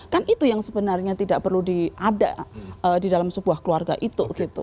kan itu yang sebenarnya tidak perlu di ada di dalam sebuah keluarga itu gitu